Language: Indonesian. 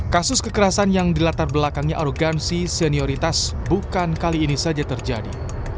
kasus kekerasan yang dilatar belakangnya arogansi senioritas bukan kali ini saja terjadi